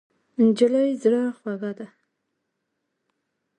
نجلۍ زړه خوږه ده.